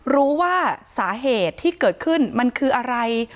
รู้ว่าสาเหตุที่เกิดขึ้นมันคืออะไร